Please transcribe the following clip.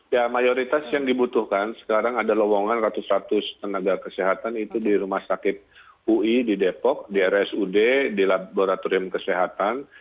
ya mayoritas yang dibutuhkan sekarang ada lowongan ratus ratus tenaga kesehatan itu di rumah sakit ui di depok di rsud di laboratorium kesehatan